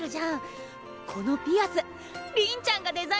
このピアスりんちゃんがデザインしたんだよ。